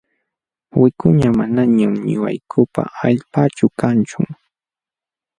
Wikuña manañam ñuqaykupa allpaaćhu kanchu.